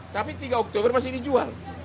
tapi tiga oktober masih dijual